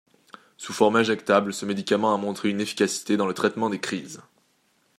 Sous forme injectable, ce médicament a montré une efficacité dans le traitement des crises.